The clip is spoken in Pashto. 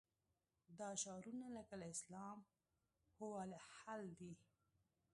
دا شعارونه لکه الاسلام هو الحل دي.